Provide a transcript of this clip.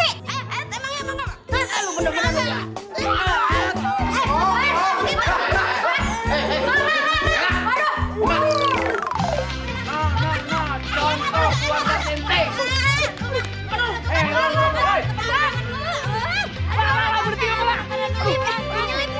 kborn biar dia nyelip